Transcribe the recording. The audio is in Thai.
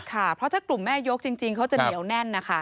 ค่ะเพราะถ้ากลุ่มแม่ยกจริงเขาจะเหนียวแน่นนะคะ